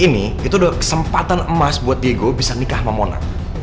ini itu udah kesempatan emas buat diego bisa nikah sama mona